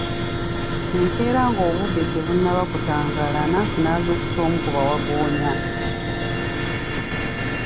Enkeera nga n'obudde tebunnaba kutangaala, Anansi n'azuukusa omu ku bawaggoonya .